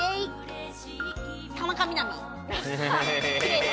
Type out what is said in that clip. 田中みな実。